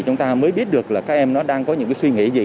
chúng ta mới biết được là các em nó đang có những cái suy nghĩ gì